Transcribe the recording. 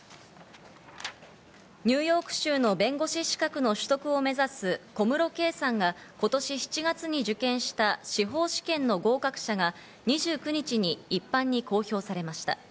ニューヨーク州の弁護士資格の取得を目指す小室圭さんが今年７月に受験した司法試験の合格者が２９日に一般に公表されました。